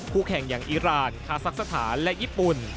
แข่งอย่างอีรานคาซักสถานและญี่ปุ่น